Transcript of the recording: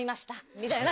みたいな。